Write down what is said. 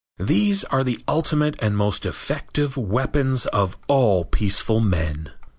These are the ultimate and most effective weapons of all peaceful men.